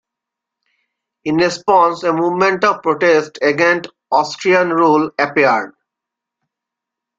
In response, a movement of protests against Austrian rule appeared.